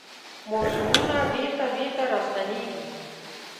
موسمونه بیرته، بیرته راستنیږي